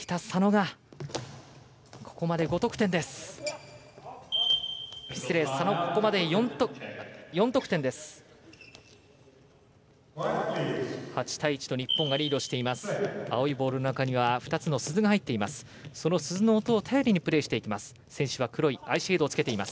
その鈴の音を頼りにプレーしていきます。